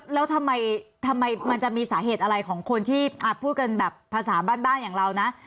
แล้วทำไมมันจะมีสาเหตุอะไรของคนที่พูดกันแบบภาษาบ้านอย่างเรานะ